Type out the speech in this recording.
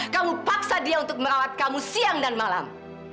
kamu paksa dia untuk merawat kamu siang dan malam